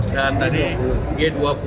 dan tadi g dua puluh